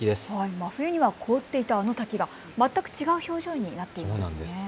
真冬には凍っていたあの滝が全く違う表情になっていますね。